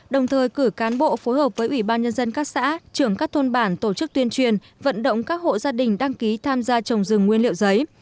đồng thời cử cán bộ phối hợp với ủy ban nhân dân các xã trưởng các thôn bản tổ chức tuyên truyền vận động các hộ gia đình đăng ký tham gia trồng rừng nguyên liệu giấy